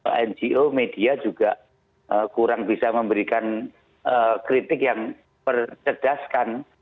karena ngo media juga kurang bisa memberikan kritik yang percedaskan